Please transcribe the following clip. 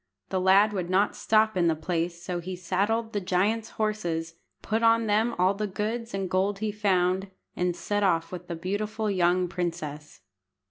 The lad would not stop in the place, so he saddled the giant's horses, put on them all the goods and gold he found, and set off with the beautiful young princess.